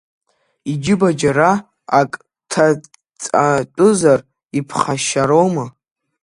Иџьыба џьара ак ҭаҵатәызар, иԥхашьароума?